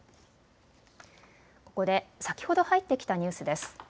ここで先ほど入ってきたニュースです。